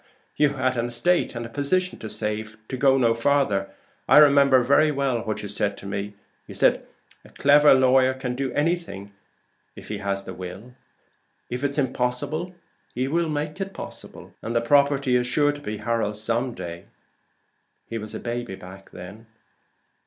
"You had an estate and a position to save, to go no farther. I remember very well what you said to me 'A clever lawyer can do anything if he has the will; if it's impossible, he will make it possible. And the property is sure to be Harold's some day.' He was a baby then."